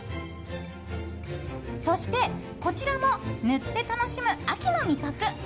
そして、こちらも塗って楽しむ秋の味覚。